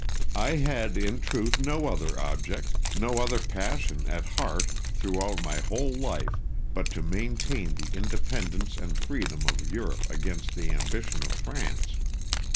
William. I had, in truth, no other object, no other passion at heart throughout my whole life but to maintain the independence and freedom of Europe against the ambition of France.